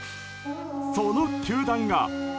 その球団が。